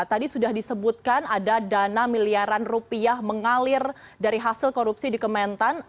tadi sudah disebutkan ada dana miliaran rupiah mengalir dari hasil korupsi di kementan